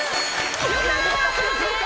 良かった。